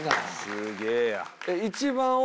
すげえや。